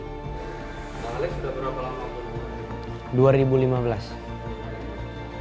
pahalik sudah berapa lama